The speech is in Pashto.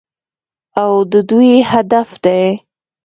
او د دوی هدف دی.